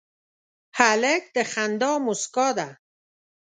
هلک د خندا موسکا ده.